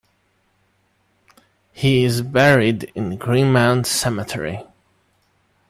He is buried in Greenmount Cemetery.